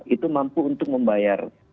itu mampu untuk membayar